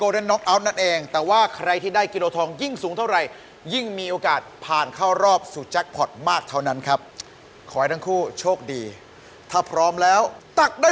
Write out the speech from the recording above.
ไม่เห็นนะตีไม่พลาดเลยอะตีไม่พลาดเลยตีไม่พลาดเลยไม่เห็นไม่เห็นตีไม่พลาดเลย